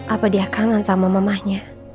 apa dia kangen sama mamahnya